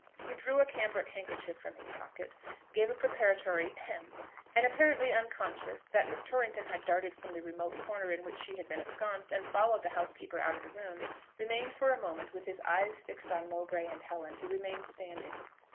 He drew a cambric handkerchief from his pocket, gave a preparatory "hem," and apparently unconscious that Miss Torrington had darted from the remote corner in which she had been ensconced and followed the housekeeper out of the room, remained for a moment with his eyes fixed on Mowbray and Helen, who remained standing.